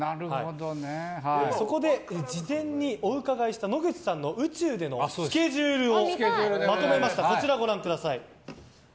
そこで事前にお伺いした野口さんの宇宙でのスケジュールをまとめました。